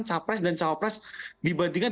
cawapres dan cawapres dibandingkan